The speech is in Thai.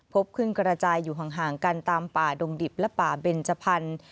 พบขึ้นกระจายอยู่ห่างกันตามป่าดงดิบและป่าเบนจพันธุ์